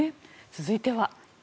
続いては。